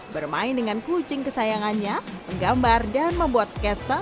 bermain dengan kucing kesayangannya menggambar dan membuat sketsa